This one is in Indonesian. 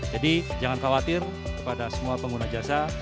jadi jangan khawatir kepada semua pengguna jasa